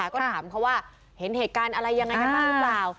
ก็ถามเขาว่าเห็นเหตุการณ์อะไรยังไงกันบ้างหรือเปล่า